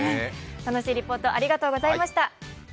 楽しいリポートありがとうございました。